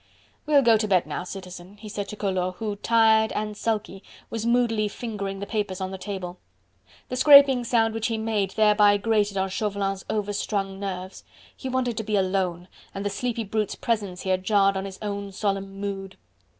"We'll go to bed now, Citizen," he said to Collot, who, tired and sulky, was moodily fingering the papers on the table. The scraping sound which he made thereby grated on Chauvelin's overstrung nerves. He wanted to be alone, and the sleepy brute's presence here jarred on his own solemn mood.